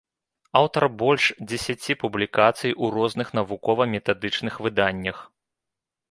Аўтар больш дзесяці публікацый у розных навукова-метадычных выданнях.